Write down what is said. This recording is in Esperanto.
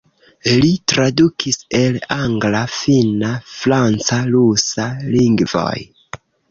Li tradukis el angla, finna, franca, rusa lingvoj.